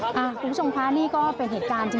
คุณผู้ชมคะนี่ก็เป็นเหตุการณ์ที่